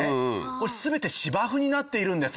これ全て芝生になっているんです。